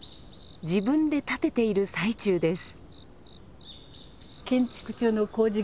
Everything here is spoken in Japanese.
自分で建てている最中です。